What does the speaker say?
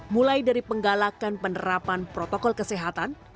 mulai dari penggalakan penerapan protokol kesehatan